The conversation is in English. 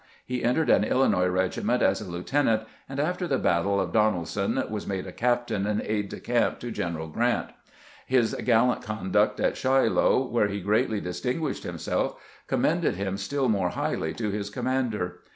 He entered an Illinois regiment as a lieutenant, and after the battle of Donel son was made a captain and aide de camp to General Grant. His gallant conduct at Shiloh, where he greatly distinguished himself, commended him still more highly to his commander.